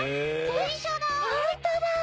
電車だ！